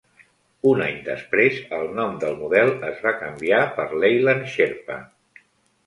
Un any després, el nom del model es va canviar per "Leyland Sherpa".